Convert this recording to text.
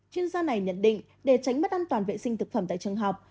chuyên gia này nhận định để tránh mất an toàn vệ sinh thực phẩm tại trường học